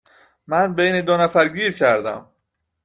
من بین دو نفر گیر کردم